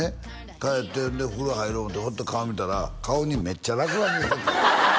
帰って風呂入ろうと思ってふと顔見たら顔にめっちゃ落書きしててハハハ！